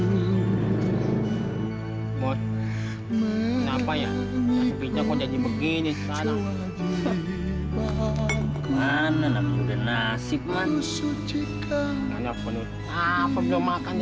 hai mod kenapa ya kita mau jadi begini sana mana nasib mana penuh apa belum makan